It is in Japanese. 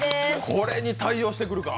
これに対応してくるか。